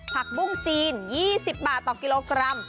ผักบุ้งจีน๒๐บาทต่อกิโลกรัม